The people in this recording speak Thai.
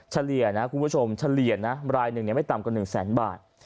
เฉลี่ยนะคุณผู้ชมเฉลี่ยนะรายหนึ่งไม่ต่ำกว่า๑แสนบาท